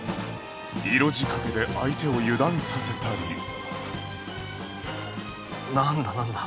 色仕掛けで相手を油断させたりなんだなんだ？